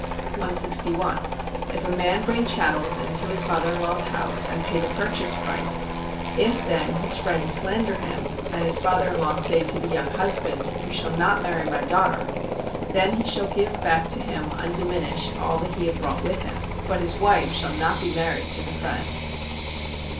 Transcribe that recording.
161. If a man bring chattels into his father in law's house and pay the "purchase price," if then his friend slander him, and his father in law say to the young husband: "You shall not marry my daughter," then he shall give back to him undiminished all that he had brought with him; but his wife shall not be married to the friend.